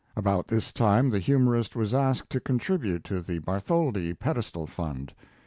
About this time the humorist was asked to contribute to the Bartholdi Ped estal Fund.